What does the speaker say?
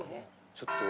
ちょっと。